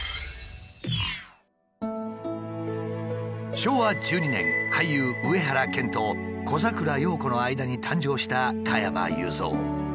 昭和１２年俳優上原謙と小桜葉子の間に誕生した加山雄三。